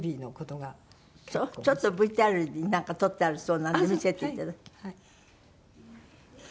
ちょっとＶＴＲになんか撮ってあるそうなので見せていただきます。